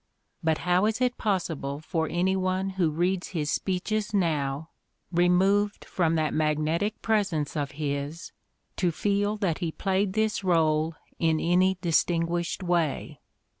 But how is it possible for any one who reads his speeches now, removed from that magnetic presence of his, to feel that he played this role in any distinguished way?